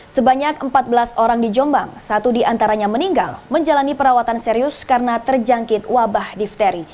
sebanyak empat belas orang di jombang satu diantaranya meninggal menjalani perawatan serius karena terjangkit wabah difteri